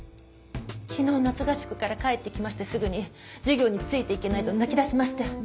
昨日夏合宿から帰って来ましてすぐに授業について行けないと泣きだしまして。